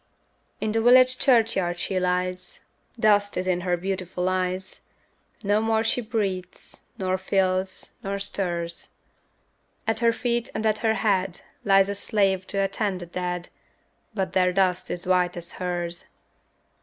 In the village churchyard she lies, Dust is in her beautiful eyes, No more she breathes, nor feels, nor stirs; At her feet and at her head Lies a slave to attend the dead, But their dust is white as hers.